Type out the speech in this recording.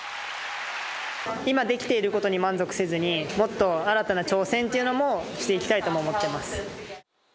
今できていることに満足せずに、もっと新たな挑戦っていうのもしていきたいとも思っています。